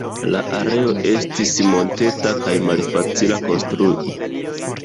La areo estis monteta kaj malfacila konstrui.